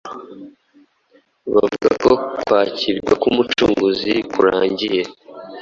buvuga ko kwakirwa k’Umucunguzi kurangiye.